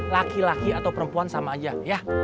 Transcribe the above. laki laki atau perempuan sama aja ya